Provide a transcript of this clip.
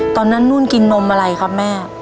ตอนนั้นนู้นกินนมอะไรครับแม่